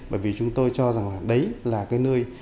bởi vì chúng tôi cho rằng là đấy là cái nơi